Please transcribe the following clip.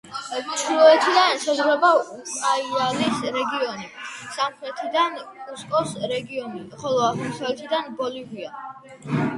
ჩრდილოეთიდან ესაზღვრება უკაიალის რეგიონი, სამხრეთიდან კუსკოს რეგიონი, ხოლო აღმოსავლეთიდან ბოლივია.